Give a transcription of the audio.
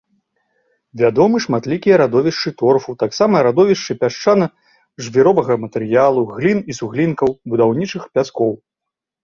Вядомы шматлікія радовішчы торфу, таксама радовішчы пясчана-жвіровага матэрыялу, глін і суглінкаў, будаўнічых пяскоў.